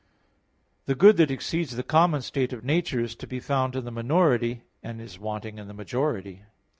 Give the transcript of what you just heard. The good that exceeds the common state of nature is to be found in the minority, and is wanting in the majority.